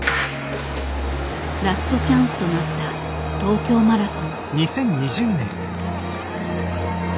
ラストチャンスとなった東京マラソン。